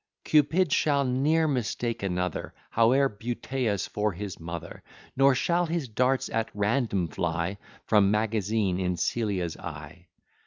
Cupid shall ne'er mistake another, However beauteous, for his mother; Nor shall his darts at random fly From magazine in Celia's eye.